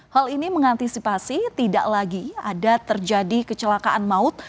hal ini mengantisipasi tidak lagi ada terjadi kecelakaan maut